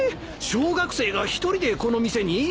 小学生が一人でこの店に？